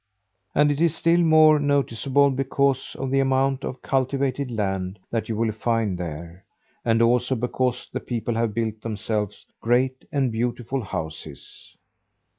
And it is still more noticeable because of the amount of cultivated land that you will find there; and also because the people have built themselves great and beautiful houses.